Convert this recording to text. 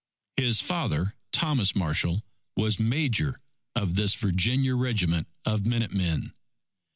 His father Thomas Marshall was Major of this Virginia regiment of Minute Men.